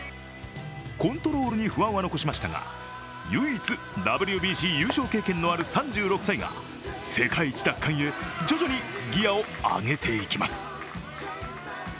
コントロールに不安は残しましたが唯一ＷＢＣ優勝経験のある３６歳が世界一奪還へ徐々にギヤを上げていきます。